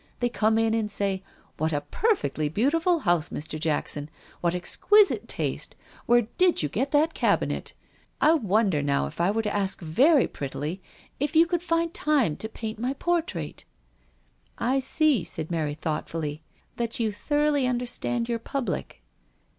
They come in and say ' What & perfectly beautiful house, Mr. Jackson. What exquisite taste ! Where did you get that cabinet ? I wonder now, if I were to ask very prettily, if you could find time to paint my portrait ?'"" I see," said Mary thoughtfully, " that you thoroughly understand your public."